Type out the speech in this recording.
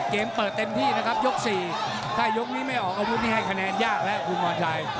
เกมเปิดเต็มที่นะครับยก๔ถ้ายกนี้ไม่ออกอาวุธนี่ให้คะแนนยากแล้วคุณพรชัย